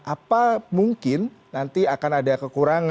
apa mungkin nanti akan ada kekurangan